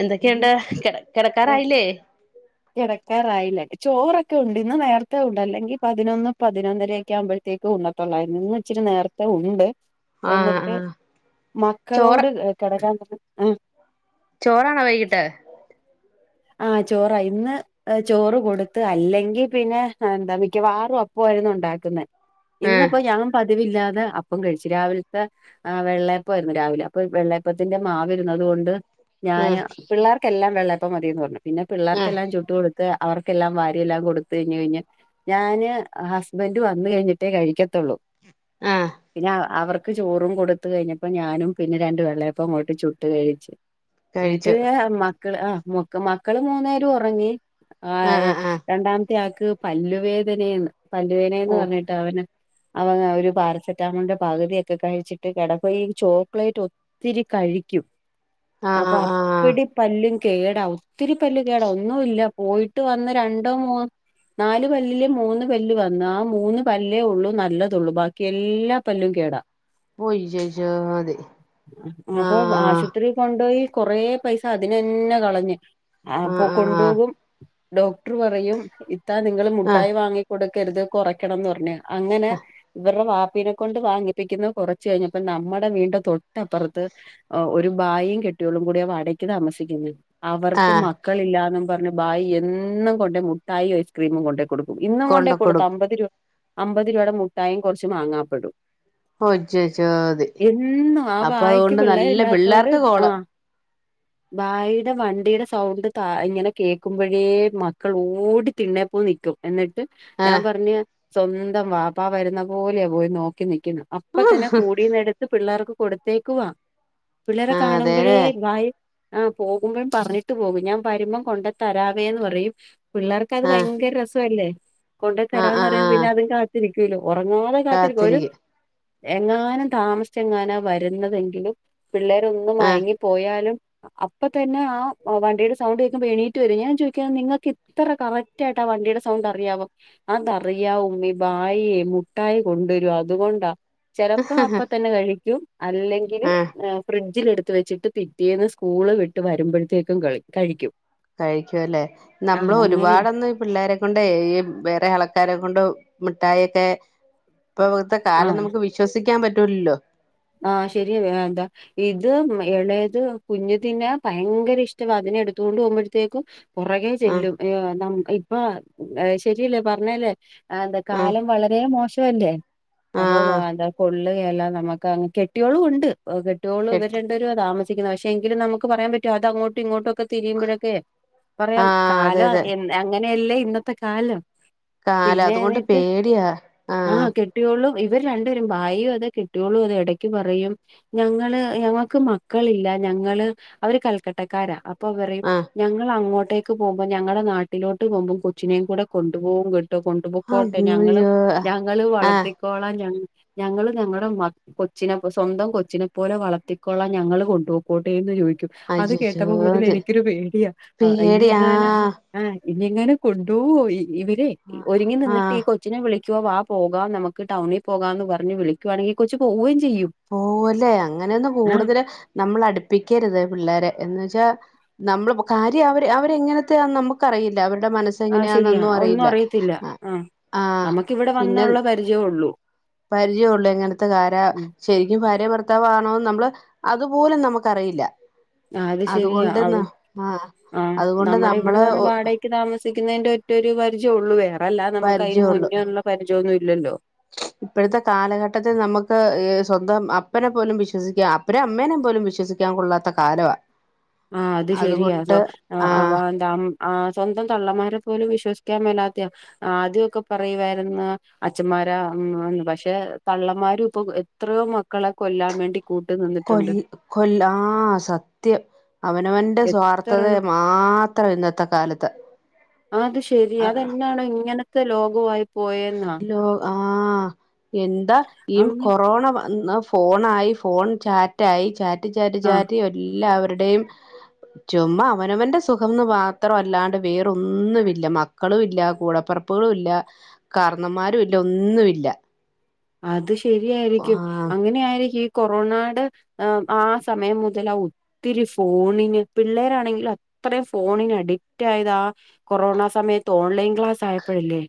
എന്തൊക്കെയുണ്ട് കിടക്കാരായില്ലേ.. കിടക്കാറായില്ലേ ചോറൊക്കെ ഉണ്ട് ഇന്ന് നേരത്തെ ഉണ്ട് അല്ലെങ്കിൽ പതിനൊന്ന് പതിനൊന്നരൊക്കെ ആവുമ്പോഴത്തേക്കും ഉണ തോല്ലായിരുന്നു ഇന്ന് ഇച്ചിരി നേരത്തെ ഉണ്ട് ആഹ് എന്നിട്ട് ആഹ് ചോറ് മക്കളോട് കിടക്കാൻ ചോറാണൊ വൈകിട്ട്? ആഹ് ചോറായി. ഇന്ന് ആഹ് ചോറ് കൊട്ത്ത്. അല്ലെങ്കി പിന്നെ എന്താ മിക്കവാറും അപ്പൊ ആയിര്ന്ന് ണ്ടാക്കുന്നെ. ആഹ് ഇന്നപ്പൊ ഞാൻ പതിവില്ലാതെ അപ്പം കഴിച്ചു. രാവിൽത്തെ.... ആഹ് വെള്ളയപ്പായിരുന്ന് രാവിലെ. അപ്പൊ വെള്ളയപ്പത്തിന്റെ മാവിര്ന്ന് അതുകൊണ്ട്... ഞാന് ആഹ് പിള്ളേർക്കെല്ലാം വെള്ളയപ്പം മതീന്ന് പർഞ്ഞു. പിന്നെ ആഹ് പിള്ളേർക്കെല്ലാം ചുട്ട് കൊടു... ത്ത് അവർക്കെല്ലാം വാരിയെല്ലാം കൊടുത്തഴിഞ്ഞ് കഴിഞ്ഞ് ഞാന് ഹസ്ബെൻ്റ് വന്ന് കഴിഞ്ഞിട്ടേ കഴിക്കത്തൊള്ളു. ആഹ് പിന്നെ അവ അവർക്ക് ചോറും കൊടുത്ത് കഴിഞ്ഞപ്പം ഞാനും പിന്നെ രണ്ട് വെള്ളയപ്പം അങ്ങോട്ട് ചുട്ട് കഴിച്ച്. ഏട്ട് കഴിച്ചു ഏഹ് മക്കള് ആഹ് മൊക്കം മക്കള് മൂന്നേരും ഒറങ്ങി. ആഹ് രണ്ടാമത്തെ ആക്ക് പല്ല് വേദനേയ്ന്ന്. പല്ല് വേനെയ്ന്ന് ഓ പർഞ്ഞി ട്ടവന്. അവൻ ഒരു പാരസിറ്റമോൾന്റെ പക് തിയൊക്കെ കഴിച്ചിട്ട് കെടക്കുവാ. ഈ ചോക്ലേറ്റ് ത്തിരിം കഴിക്കും. ആഹ് അപ്പൊ ആഹ് ആഹ് അപ്പടി പല്ലും കേടാവും. ത്തിരി പല്ല് കേടാവും. ഒന്നുല്ലാ പോയിട്ട് വന്ന് രണ്ടൊ, മൂന്നൊ നാല് പല്ല്ല് മൂന്ന് പല്ല് വന്ന്. ആ മൂന്ന് പല്ലേ ഒള്ളു നല്ല തൊള്ളു. ബാ ക്കി എല്ലാ പല്ലും കേടാ. പോയ് ചോയ്ച്ചാ മതി. ആഹ് കൊണ്ടോയി കൊറേ പൈസ അതിനെന്നെ കളഞ്ഞ്. അപ്പൊ ആഹ് ആഹ് കൊണ്ടോകും ഡോ ക്ട്റ് പറയും ഇത്താ നിങ്ങള് ആഹ് മിട്ടായി വാങ്ങികൊട്ക്കര്ത് കൊറയ്ക്കണംന്നർഞ്ഞ്. അങ്ങനെ ഇവർറെ വാപ്പീനെ കൊണ്ട് വാങ്ങി പ്പിക്കുന്നത് കൊറച്ചഴിഞ്ഞപ്പം നമ്മടെ വീട്ന്റെ തൊട്ടപ്പറത്ത് ഒരു ബായിം കെട്ട്യോളും കൂടെ വാടയ്ക്ക് താമസിക്കുന്ന്. അവ ക്ക് ആഹ് മക്കളില്ലാന്നും പർഞ്ഞ്‌ ഭായ് എന്നും കൊണ്ടെയ് മുട്ടായിം, ഐസ്ക്രീമും കൊണ്ടേയ് കൊട് ഇന്നും കൊണ്ട് കൊണ്ടേയ് കൊടുക്കും കൊട്ത്തമ്പത് രൂ അമ്പത് രൂപേടെ മുട്ടായിം കൊർച്ച് മാങ്ങാപ്പഴും. ഒയ്യയ്യോ അതെ എന്നും ആ അപ്പൊ ഭായിക്ക് അതുകൊണ്ട് പിള്ളേര് നല്ല ല്ലാത്തോണ്ട് പിള്ളേർക്ക് കോള് ആഹ്. ഭായ്ടെ വണ്ടീടെ സ് സൗണ്ട് താ ഇങ്ങനെ കേക്കുമ്പഴേ മക്കൾ ഓടി തിണ്ണേ പ്പോയി നിക്കും. എന്നിട്ട് ഞാ ആഹ് പർഞ്ഞ് സ്വന്തം വാപ്പാ വരുന്ന പോലെയാ പോയി നോക്കി നിക്കുന്നെ. അപ്പൊ തന്നെ കൂടീന്നെട്ത്ത് പിള്ളേർക്ക് കൊടുത്തേക്കുവാ. പിള്ളേരെ ആഹ് കാണുമ്പൊഴേ അതേലെ ഭായ് ആഹ് പോകുമ്പം പർഞ്ഞി ട്ട് പോകും. ഞാ വര്മ്പം കൊണ്ട് തരാവേന്ന് പറയും. പിള്ളേർക്കത് ആഹ് ഭയങ്കര രസ ല്ലെ. കൊണ്ട് ആഹ് ആഹ് തരാന്നറിയുമ്പൊ പിന്നെ ആഹ് അതും കാത്തിരിക്കൂല്ലൊ. ഒറങ്ങാതെ കാത്തിരിക്കും. ഒരു എങ്ങാനും താമസ്ച്ചെങ്ങാനാ വരുന്നതെങ്കില് പിള്ളേരൊന്നും ആഹ് മയങ്ങിപ്പോയാലും അപ്പൊ തന്നെ ആ ആ വണ്ടീടെ സൗണ്ടേക്കുമ്പൊ എണീറ്റ് വരും. ഞാ ചോയ്ക്കാ നിങ്ങക്ക് ഇത്ര കറക്ടായിട്ടാവണ്ടീടെ സൗണ്ട് അറിയാവൊ അതറിയാ ഉമ്മീ. ഭായി മുട്ടായി കൊണ്ടൊരും അതുകൊണ്ടാ. ചെലപ്പം അപ്പതന്നെ കഴിക്കും. അല്ലെങ്കില് ആഹ് ഏഹ് ഫ്രിഡ്ജിലെ ട്ത്ത് വെച്ചിട്ട് പിറ്റേന്ന് സ്ക്കൂള് വിട്ട് വര്മ്പഴത്തേക്കും കളി കഴിക്കും. കഴിക്കു അല്ലെ. ആ നമ്മള് അങ്ങനെയാ ഒരുപാടൊന്നും ഈ പിള്ളേരെ കൊണ്ടേയ് ഈ വേറെ ആളക്കാരെ കൊണ്ട് മിഠായൊക്കെ പ്പൊത്തെ ആ കാലം നമുക്ക് വി ശ്വസിക്കാം പറ്റൂൽല്ലൊ. ആഹ് ശെരിയല്ലെ. ആന്താ ഇത് എളേത് കുഞ്ഞതിനെ ഭയങ്കര ഇഷ്ടവാ. അതിനെ എട്ത്തുകൊണ്ട് പോക്മ്പഴത്തേക്കും പൊറകെ ആ ചെല്ലും. ഏഹ് നമ് ഇപ്പൊ ഏഹ് ശെരിയല്ലെ പർഞ്ഞല്ലെ ആഹ് എന്താ ആ കാലം വളരെ മോശംല്ലേ ആ അപ്പൊ എന്താ കൊള്ളുക എല്ലാം നമുക്ക് കാ കെട്ടിയോളും ഉണ്ട് കെട്ടിയോള് എട്ട് ഇവരെ രൊ താമസിക്കുന്നത് പക്ഷെ എങ്കിലും നമുക്ക് പറയാൻ പറ്റോ അത് അങ്ങോട്ടും ഇങ്ങോട്ടൊക്കെ തിരിയുമ്പോഴൊക്കെ ആ പറയാം അതെ കാലം അതെ എൻ അങ്ങനെയല്ലേ ഇന്നത്തെ കാലം കാലാ പിന്നെ അതുകൊണ്ട് പേടിയാ ആഹ് കെട്ട്യൊളൂ ഇവര് രണ്ടുപേരും ഭായിയും അതെ കെട്ട്യോളൂം അതേ എടക്ക് പറയും ഞങ്ങള് ഞങ്ങൾക്ക് മക്കളില്ല ഞങ്ങള് അവര് കൽക്കട്ടക്കാരാ അപ്പൊ പറയും ആ ഞങ്ങളങ്ങോട്ടേക്ക് പോവുംമ്പോ ഞങ്ങളെ നാട്ടിലോട്ട് പോവുംമ്പോ കൊച്ചിനേം കൂടെ കൊണ്ടു പോവും കേട്ടോ കൊ പൊക്കോട്ടെ ഞങ്ങള് അയ്യോ ഞങ്ങള് ആ വളർത്തിക്കോളാ ഞ ഞങ്ങള് ഞങ്ങടെ മക്ക് കൊച്ചിനെ സ്വന്തം കൊച്ചിനെ പോലെ വളർത്തിക്കൊള്ളാ ഞങ്ങള് കൊണ്ടൊക്കോട്ടെ എന്ന് ചോയ് ക്കും അത് അയ്യയ്യോ കേട്ടപ്പോ മുതല് അത് എനിക്കൊരു പേടിയാ ഇനി പേടിയാ എങ്ങാനും ആഹ് ഇനി എങ്ങാനും കൊണ്ടോവൊ ഇവര് ഒരുങ്ങി ആ നിന്നിട്ട് ഈ കൊ കൊച്ചിനെ വിളിക്കുവൊ വാ പോവാം നമുക്ക് ടൗണിൽ പോകാം എന്ന് പറഞ്ഞ് വിളിക്കുവാണെങ്കി കൊച്ച് പോവേം ചെയ്യും പോവല്ലേ അങ്ങനെയൊന്നും ആഹ് കൂടുതല് നമ്മള് അടുപ്പിക്കരുത് പിള്ളേരെ എന്ന് വെച്ചാ നമ്മള് പൊ കാര്യം അവര് അവരെങ്ങനത്തെന്ന് നമുക്ക്റിയില്ല അവരുടെ മനസ് അത് ശെരിയാ ഒന്നും അറിയത്തില്ല ആഹ് ആഹ് നമുക്കിവിടെ വന്നുള്ള പരിചയെ ഒള്ളൂ പരിചയൊള്ളൂ എങ്ങനത്തെ കാരാ ശെരിക്കും ഭാര്യ ഭർത്താവാണോന്ന് നമ്മള് അതുപോലും നമുക്കറയില്ല ആഹ് അത് ശരിയാ അതുകൊണ്ട് അവ ന്ന ആഹ് അതുകൊണ്ട് നമ്മള് ക്ക് താമസിക്കുന്നേന്റെ ഒറ്റൊ ഒരു പരിചയം ഒള്ളൂ വേറെല്ലാ നമുക്ക് അതിന് പരിചയള്ളു മുന്നേള്ള പരിചയൊന്നും ഇല്ലല്ലോ ഇപ്പോഴത്തെ കാലഘട്ടത്തിൽ നമ്മക്ക് സ്വന്തം അപ്പനെ പോലും വിശ്വസിക്കാം അപ് ഒരമ്മേനെ പോലും വിശ്വസിക്കാൻ കൊള്ളാത്ത കാലവാ ആഹ് അത് ശെരിയാ സോ അതുകൊണ്ട് അവ ആഹ് എന്ത അം ആഹ് സ്വന്തം തള്ളമാരെ പോലും വിശ്വസിക്കാൻ മേലാത്തയാ ആദ്യയൊക്കെ പറയുവായിരുന്ന് അച്ഛന്മാരാ ന്ന് പക്ഷെ തള്ളന്മാരും ഇപ്പൊ എത്രയോ മക്കളെ കൊല്ലാൻ വേണ്ടി കൂട്ട് നിന്നി കൊല്ല കൊല്ലാ ആഹ് സത്യം അവനവന്റെ സ്വാർത്ഥതയെ എത്രണ്ണം മാത്രാ ഇന്നത്തെ കാലത്ത് അത് ശെരി അതെന്നാണോ ഇങ്ങനത്തെ ലോകവായി ലോ ആഹ് എന്താ ഈ അങ്ങ കൊറോണ വന്ന ഫോണായി ഫോൺ ചാറ്റായി ചാറ്റ് ചാറ്റ് ആഹ് ചാറ്റ് എല്ലാവരുടെയും ചുമ്മ അവനവന്റെ സുഖംന്ന് മാത്ര അല്ലാണ്ട് വേറൊന്നുവില്ല മ മക്കളും ഇല്ല കൂടപ്പറപ്പുകളും ഇല്ല കാരണന്മാരു ഇല്ല ഒന്നൂല്ല അത് ശരിയായിരിക്കും ആ അങ്ങനെ ആയിരിക്കും കൊറോണയുടെ ആ സമയം മുതലാവും ഒത്തിരി ഫോണിന് പിള്ളേരാണെങ്കിൽ അത്രയും ഫോണിന് അഡിക്റ്റ് ആയതാ കൊറോണ സമയത്ത് ഓൺലൈൻ ക്ലാസ് ആയപ്പോഴല്ലേ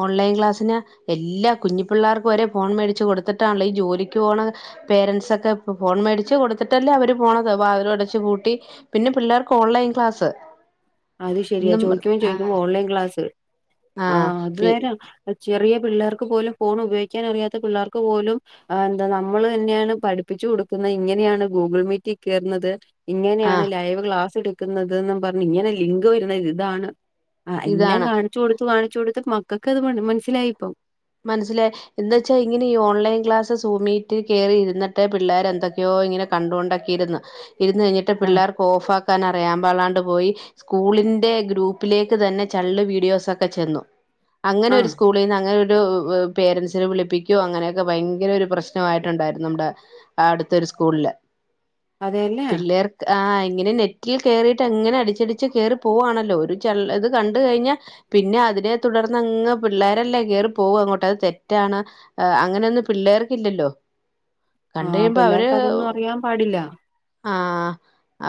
ഓൺലൈൻ ക്ലാസ്സിന് എല്ലാ കുഞ്ഞി പിള്ളേർക്കും വരെ ഫോൺ മേടിച്ച് കൊടുത്തിട്ടാണല്ലെ ഈ ജോലിക്ക് പോണ പേരെന്റ്സ് ഒക്കെ ഫോൺ മേടിച്ച് കൊടുത്തിട്ടല്ലേ അവര് പോണത് വാതിലും അടച്ചുപൂട്ടി പിന്നെ പിള്ളേർക്ക് ഓൺലൈൻ ക്ലാസ് അത് ശരിയാ എന്നും ചോദിക്കുമ്പോ ചോദിക്കുമ്പോ ആഹ് ഓൺലൈൻ ക്ലാസ് ആഹ് അത് നേര ചെറിയ പിള്ളേർക്ക് പോലും ഫോൺ ഉപയോഗിക്കാൻ അറിയാത്ത പിള്ളേർക്ക് പോലും എന്താ നമ്മള് തന്നെയാണ് പഠിപ്പിച്ചു കൊടുക്കുന്ന ഇങ്ങനെയാണ് ഗൂഗിൾ മീറ്റി കേറുന്നത് ഇങ്ങനെയാണ് ആഹ് ലൈവ് ക്ലാസ് എടുക്കുന്നത്ന് ന്ന് പറഞ്ഞ് ഇങ്ങനെ ലിങ്ക് വരുന്നത് ഇതാണ് ആഹ് എല്ലാം ഇതാണ് കാണിച്ചു കൊടുത്ത് കാണിച്ചു കൊടുത്ത് മക്കൾക്ക് ഇത് മനസ്സിലായിപ്പോ മനസ്സിലെ എന്ന് വെച്ചാ ഇങ്ങനെ ഈ ഓൺലൈൻ ക്ലാസ് സൂമീറ്റ് കേറിരുന്നിട്ടെ പിള്ളേര് എന്തൊക്കെയോ ഇങ്ങനെ കണ്ടുകൊണ്ടക്കെയിരുന്നു ഇരുന്ന് കഴിഞ്ഞിട്ട് ആ പിള്ളേർക്ക് ഓഫ് ആക്കാൻ അറിയാ പാടില്ലാണ്ട് പോയി സ്കൂളിന്റെ ഗ്രൂപ്പിലേക്ക് തന്നെ ചള്ള് വീഡിയോസൊക്കെ ചെന്നു അങ്ങനെ ആ ഒരു സ്കൂളിൽ നിന്ന് അങ്ങനെ ഒരു ഒരു പേരെൻസിനെ വിളിപ്പിക്കോ അങ്ങനെയൊക്കെ ഭയങ്കര ഒരു പ്രശ്നമായിട്ടുണ്ടായിരുന്നു നമ്മുടെ അടുത്തൊരു സ്കൂളില് അതെല്ലേ പിള്ളേർ ആഹ് ഇങ്ങനെ നെറ്റിൽ കേറിട്ട് എങ്ങനെ അടിച്ചടിച്ച് കേറി പോവാണല്ലോ ഒരു ച ഇത് കണ്ട് കഴിഞ്ഞാ പിന്നെ അതിനെ തുടർന്നങ്ങ് പിള്ളേരല്ലേ കേറി പോവ അങ്ങോട്ട് അത് തെറ്റാണ് അങ്ങനെയൊന്നും പിള്ളേർക്ക് ഇല്ലല്ലോ ആ കണ്ട് കഴിയുമ്പോ അവര് പിള്ളേർക്ക് അതൊന്നും അറിയാൻ പാടില്ല ആഹ്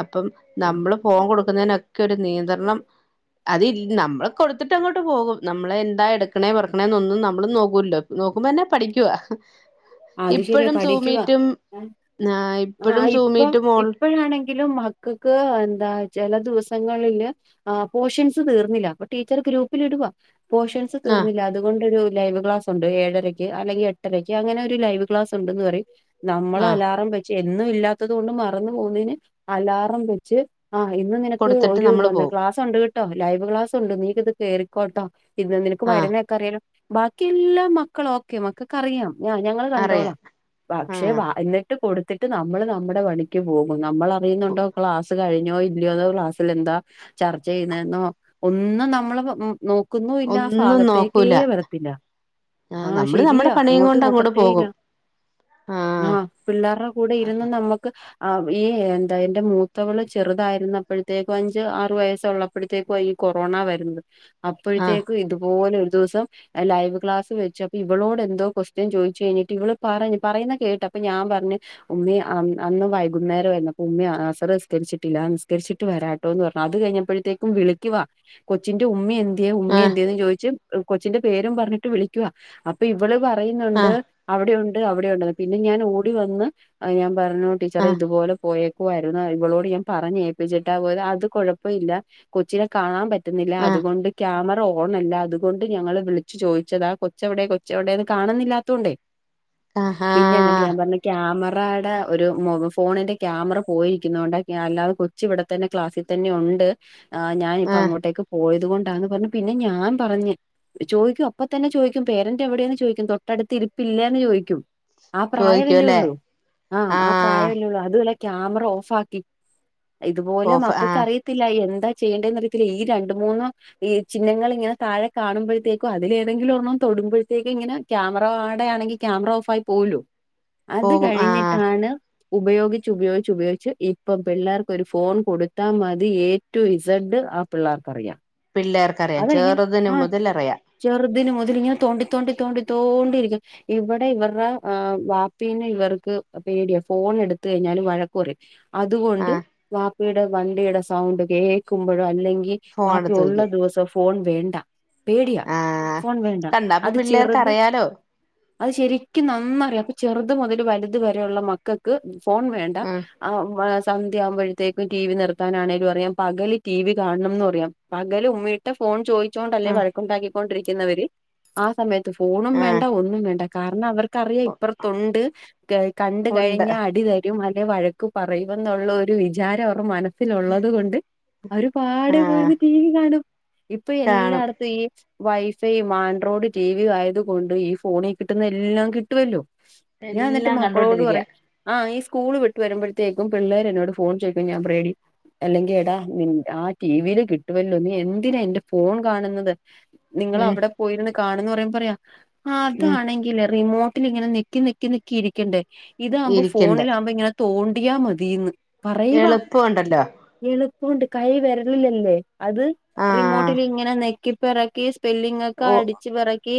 അപ്പം നമ്മള് പോൺ കൊടുക്കുന്നതിനൊക്കെ ഒരു നിയന്ത്രണം അത് നമ്മള് കൊടുത്തിട്ട് അങ്ങോട്ട് പോകും നമ്മള എന്താ എടുക്കണേ പറക്കണേന്നൊന്നും നമ്മള് നോക്കൂല്ലോ നോക്കുമ്പോന്നെ പഠിക്കുവാ അത് ശരിയാ ഇപ്പഴും പഠിക്കുവാ സൂമീറ്റും ആ എ ഇപ്പഴും ആഹ് ഇപ്പ സൂമീറ്റും ഓൾ ഇപ്പഴാണെങ്കിലും മ ക്കക്ക് എന്താ ചില ദിവസങ്ങളില് ആ പോഷൻസ് തീർന്നില്ല അപ്പൊ ടീച്ചർ ഗ്രൂപ്പില് ഇടുവാ പോഷൻ സ് ആ തീർന്നില്ല അതുകൊണ്ടൊരു ലൈവ് ക്ലാസ്സുണ്ട് ഏഴരക്ക് അല്ലെങ്കി എട്ടരക്ക് അങ്ങനെ ട്ടിന് ലൈവ് ക്ലാസ്സുണ്ടെന്നു പറയും നമ്മള് ആ അലാറം വെച്ച് എ ഇന്നും ഇല്ലാത്തതുകൊണ്ട് മറന്നു പോകുന്നന് അലാറം വെ ച്ച് ആ ഇന്ന് നിനക്ക് കൊടുത്തിട്ട് ഒരു നമ്മള് ന്ത് പോവും ക്ലാസ്സ്‌ കൊണ്ട് കേട്ടോ ലൈവ് ക്ലാസ് ഉണ്ട് നീക്ക് ഇത് കേറിക്കോട്ടോ ഇത് നിനക്ക് ആ വരുന്നക്കെ അറിയാല്ലോ ബാക്കി എല്ലാ മക്കള് ഓക്കെ മക്കൾക്കറിയാം ഞ ഞങ്ങള് അറിയാം കണ്ടോളാം ആ പക്ഷെ വ എന്നി ട്ട് കൊടുത്തിട്ട് നമ്മള് നമ്മുടെ പണിക്ക് പോകും നമ്മൾ അറിയുന്നുണ്ടോ ക്ലാസ് കഴിഞ്ഞോ ഇ ഇരുവതോ ക്ലാസ്സിൽ എന്താ ചർച്ച ചെയ്യുന്നെന്നോ ഒന്നും നമ്മള് മം നോ ക്കുന്നോല്ല ആ ഒന്നും ഭാഗത്തേക്കേ നോക്കൂല വരത്തില്ല ആ ആഹ് നമ്മള് നമ്മടെ ശരിയാ പണിയും അങ്ങോട്ട് കൊണ്ട് നോക്ക ത്തെയില്ല പോകും ആ ആഹ് പിള്ളാറ കൂടെ ആ ഇരുന്ന് നമ്മക്ക് ആ ഈ എന്താ എന്റ മൂത്തവള് ചെറുതായിര്ന്നപ്പഴ്ത്തേക്ക് അഞ്ച് ആറ് വയസ്സുള്ള പ്പഴ്ത്തേക്കുവാ ഈ കൊറോണ വെരുന്നത് ആ അപ്പഴ്ത്തേക്ക് ഇതുപോല ഒര് ദവസം ലൈവ് ക്ലാസ് വെച്ചപ്പ ഇവളോടെന്തോ കൊസ്റ്റ്യൻ ചോയ് ചെയ്ച്ചിട്ട് ഇവള് പറഞ്ഞ് പറെയുന്ന കേട്ട് അപ്പ ഞാം പറഞ്ഞ് ഉമ്മീഅന്ന് അന്ന് വൈകുന്നേരവാര്ന്നു അപ്പ ഉമ്മീ അസറ് നിസ്കരിച്ചിട്ടില്ല നിസ്കരിച്ചിട്ട് വരാ ട്ടോന്ന് പറഞ്ഞ് അത് കഴിഞ്ഞപ്പഴ്ത്തേക്കും വിളിക്കുവ കൊച്ചിന്റ ഉമ്മീ എന്തിയെ ഉമ്മീ ആ എന്തിയെന്ന് ചോദിച്ച് കൊച്ചിന്റ പേരും പറഞ്ഞിട്ട് വിളിക്കുവ അപ്പ ഇവള് ആ പറയ്ന്നുണ്ട് അവിടെ ഉണ്ട് അവിടെ ഉണ്ടെന്ന് പിന്ന ഞാനോടി വന്ന് അത് ഞാം പറഞ്ഞു ടീച്ചറെ ഇത്പോല പോയേക്കുവാര്ന്ന് ഇവളോട് ഞാൻ പറഞ്ഞെപ്പിച്ചിട്ടാ പോയത് അത് കൊഴ പ്പഇല്ല കൊച്ച്‌നെ കാണാം പറ്റ്ന്നില്ല ആ അത്കൊണ്ട് ക്യാമ റഓണല്ല അത്കൊണ്ട് ഞങ്ങള് വിളിച്ച്‌ ചോദിച്ചതാ കൊച്ചെവ്ടെ കൊച്ചെവ്ടെന്ന് കാണുന്നില്ലാതൊണ്ടേ ആ ആ പിന്ന എന്നിട്ട് ഞാം പറഞ്ഞ് ക്യാമറാടെ ഒരു മുഖ ഫോണിന്റ ക്യാമറ പോയ്രിക്ക്ന്നോണ്ട ക്യാ അല്ലാത കൊ ച്ച്‌ ഇവടത്തന്നെ ക്ലാസ്സി തന്നെ ഒണ്ട് ആ ഞാനിപ്പ ആ അങ്ങോട്ടേക്ക് പോയത് കൊ ണ്ടാന്ന് പറഞ്ഞ് പിന്നഞാ പറഞ്ഞ് ചോയിക്കും അപ്പ തന്നെ ചോയിക്കും പേരന്റെവ്ടെന്ന് ചോയ്ക്കും തൊട്ടടുത്ത് ഇര് പ്പില്ലേന്ന് ചോയിക്കും ആ ചോദിക്കും പ്രായവല്ലെ അല്ലേ ഒള്ളൂ ആഹ് ആ പ്രായ വല്ലെ ഒള്ളൂ അതുവല്ലേ ക്യാമറ ഓഫാക്കി ഇത്പോല ഓഫ് ആ മക്കക്കറി ത്തില്ല എന്താ ചെയ്യേണ്ടേന്നറിയത്തില്ല ഈ രണ്ട് മൂന്ന് ഈ ചിഹ്നങ്ങള് ങ്ങനെ താഴെ കാണ്മ്പഴ്ത്തേക്കും അതിലെതെങ്കിലൊർണ്ണം തൊട്മ്പഴ്ത്തേക്ക്ങ്ങന ക്യാമറ കാ ണ്ടെ ആണെങ്കി ക്യാമറ ഓഫ് ആയി പോവല്ലോ അത് പോകും ആ കഴിഞ്ട്ടാണ് ഉപയോഗിച്ച് ഉപയോഗിച്ച് ഉപയോഗിച്ച് ഇപ്പം പിള്ളാർക്കൊര് ഫോൺ കൊട്ത്താമതിയെ റ്റു ഇസെഡ് ആ പിള്ളാർക്കറിയാം പിള്ളേർ അത് എങ്ങനെ ആ ചെറ്തിന് മുതല് ഇങ്ങനെ തോണ്ടി തോണ്ടി തോണ്ടി തോണ്ടിരിക്കും ഇവടെ ഇവർടെ അ വാപ്പീനെ ഇവർക്ക് പേടിയ ഫോണെട്ത്ത് കയ്ഞ്ഞാല് വഴക്ക് പറയും ആ അത്കൊണ്ട് വാപ്പീടെ വണ്ടീടെ സൗണ്ട് കേക്കുമ്പഴോ അല്ലെങ്കി ഫോൺ വാപ്പി എടുത്ത് ഒള്ള വെക്കും ദിവസോ ഫോൺ വേണ്ട പേടിയാ ആ ഫോൺ വേണ്ട കണ്ടാ അപ്പൊ അത് പിള്ളേർക്ക് ചെർത് അറിയാലോ അത് ശെരിക്കും നന്നാറിയാം അപ്പ ചെറ്ത് മുതല് വലുത് വരെ ഒള്ള മക്കക്ക് ഫോൺ വേണ്ട ആ വ് സന്ധ്യ ആവ്മ്പഴ്ത്തേക്കും ടി വി നിർത്താനാണെലും അറിയാം പകല് ടി വി കാണണംന്നും അറിയാം പകല് ഉമ്മീ ട്ട ഫോൺ ചോയ്ച്ചോണ്ടല്ലെ ആ വഴക്കുണ്ടാക്കിക്കൊണ്ടിരിക്കുന്നവ ര് ആ സമയ ത്ത് ഫോണും ആ വേണ്ട ഒന്നും വേണ്ട കാരണം അവർ ക്കറിയാം ഇപ്പർതൊണ്ട് ക കണ്ട് ഉണ്ട് കയ്ഞ്ഞ അടി ക്കും അല്ലെ വഴക്ക് പറയ്ന്ന്ള്ളൊര് വിചാരം അവറ മന ൻസ്സിലൊള്ളത് കൊണ്ട് അവര്പാടെ ആ പോയ്ര്ന്ന് ടി വി കാണും ഇപ്പ കാണും എല്ലാട്ത്തും ഈ വൈഫൈയും ആൻഡ്രോഡ് ടിവിയും ആയത്കൊണ്ട് ഈ ഫോണി കിട്ടുന്ന എല്ലാം കിട്ടുവല്ലോ ഞാ ന്ന്ട്ട് മക്കളോട് പറയും ആഹ് ഈ സ്കൂള് വിട്ട് വരുമ്പഴ്ത്തേക്കും പിള്ളേരെന്നോട് ഫോൺ ചോയ്ക്കും ഞാ പറയും എടീ അല്ലെങ്കി എടാ നി ആ ടി വില് കിട്ടുവല്ലോ നീ എന്ന് ന്തിന എന്റെ ഫോൺ കാണുന്നത് ഉം നിങ്ങളവ്ട പോയ്ര്ന്ന് കാണ്ന്ന് പറയ്മ്പ പറയാ ഉം അതാണെങ്കില് റിമോട്ടിലിങ്ങനെ നെക്കി നെക്കി നെക്കി ഇരിക്കണ്ടേ ഇതാമ്പോ ഇരിക്കണ്ട് ഫോണിലാവ്മ്പ ഇങ്ങനെ തോണ്ടിയാ മതീന്ന് പറയ് വാ എളുപ്പമുണ്ടല്ലോ എളുപ്പോണ്ട് കൈ വെരളിലല്ലേ അത് ആഹ് റിമോട്ടിലിങ്ങനെ നെക്കിപ്പെറക്കി ഓ സ്പെല്ലിങ്ങക്കടി ച്ച്‌ പെറക്കി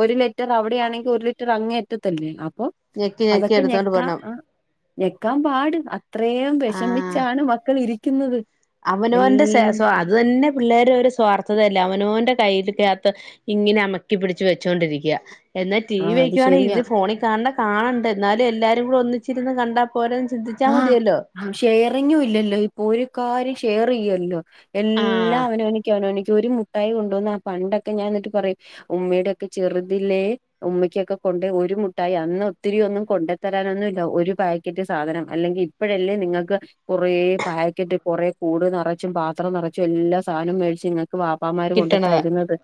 ഒര് ലെറ്ററ് അവ്ടെയാണെങ്കി ഒരു ലിറ്ററങ്ങേ അറ്റത്തല്ലേ അപ്പൊ ഞെക്കി ഞെക്കി അതൊക്കെ എടുത്തോണ്ട് ഞെക്കാ പോണം ആ ഞെക്കാം പാട് അത്രേം വെഷമിച്ചാണ് മക്കള് ഇരിക്കുന്നത് അവനോന്റ സെ എല്ല സ്വാ അത് തന്നെ പിള്ളേരൊരു സ്വാർത്ഥതല്ലെ അവനോന്റ കയ്ല്ക്കാത്ത് ഇങ്ങനെ അമ്മക്കി പിടിച്ചു വെച്ചോണ്ടിരിക്ക എന്നാ ടി ആ വി അത് വെക്കുവാണെങ്കി ശരിയാ ഇത് ഫോണിൽ കാണ് ണ കാണണ്ടെ എന്നാലും എല്ലാരും കൂടെ ഒന്ന് ച്ചിരുന്ന് കണ്ടാ പോരെന്ന് ചിന്തിച്ചാ മതിയല്ലോ ആഹ് ഷെയറിങ്ങും ഇല്ലല്ലോ ഇപ്പൊ ഒരു കാര്യം ഷെയറെയ്യല്ലോ എല്ലാം ആഹ് അവനവനക്ക് അവനവനിക്ക് ഒരു മുട്ടായി കൊണ്ടുവന്ന ആ പണ്ടൊക്കെ ഞാൻ ന്ന്ട്ട് പറയും ഉമ്മിടൊക്കെ ചെറ്തിലേ ഉമ്മിക്കൊക്കെ കൊണ്ട് ഒരു മുട്ടായി അന്ന് ഒത്തിരി ഒന്നും കൊണ്ടത്തരാനൊന്നുല്ല ഒരു പാക്കറ്റ് സാധന അല്ലെങ്കി ഇപ്പഴല്ലേ നിങ്ങക്ക് കുറേ പാക്കറ്റ് കൊറേ കൂട് നിറച്ചും പാത്രം നിറ ച്ചും എല്ലാ സാനും മേടിച്ച് നിങ്ങക്ക് വാപ്പാമാര് കൊണ്ട് കിട്ടണത് തരുന്നത്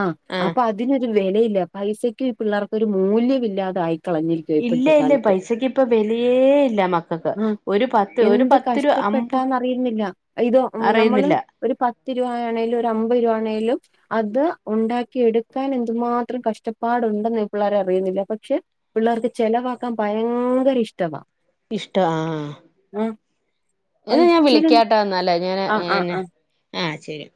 ആ ആഹ് അപ്പൊ അ തിനൊരു വെലയില്ല പൈസക്കും ഈ പിള്ളേർക്കൊരു മൂല്യമില്ലാതായിക്കളഞ്ഞിരിക്കാ ഇല്ല ഇപ്പഴ്ത്തെ ഇല്ല കാലത്ത് പൈസക്ക് ഇപ്പൊ വെലയേ ഇല്ല മക്ക ഉം എന്ത് അമ്പ് കഷ്ടപ്പെട്ടാന്നറിയിന്നില്ല ഇതോ നമ്മള് അറിയുന്നില്ല ഒരു പത്ത് രൂപ ആണേലും ഒരു അമ്പത് രൂപ ആണേലും അത് ഉണ്ടാക്കി എടുക്കാൻ എന്തുമാത്രം കഷ്ടപ്പാടുണ്ടെന്ന് ഇ പിള്ളേരറിയുന്നില്ല പക്ഷെ പിള്ളേർക്ക് ചെലവാക്കാൻ ഭയങ്കര ഇഷ്ടമാ ഇഷ്ടംവാ ആഹ് അത് എന്ന ഞാൻ ഇച്ചിരി വിളിക്കട്ടോ എന്നാല് അങ്ങന ആ ആ എന്നന്നെ ആ ആഹ് ശരി എന്ന